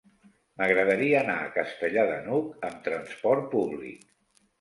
M'agradaria anar a Castellar de n'Hug amb trasport públic.